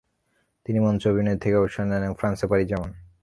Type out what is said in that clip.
তিনি মঞ্চ অভিনয় থেকে অবসর নেন এবং ফ্রান্সে পাড়ি জমান।